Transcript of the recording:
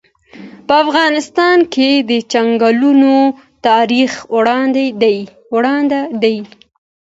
په افغانستان کې د چنګلونه تاریخ اوږد دی.